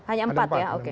hanya empat ya oke